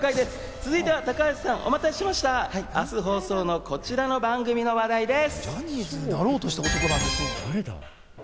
続いては高橋さんお待たせいたしました、明日放送のこちらの番組の話題です。